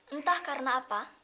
entah karena apa